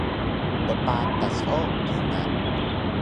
Ppatas o kingal